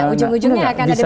ujung ujungnya akan ada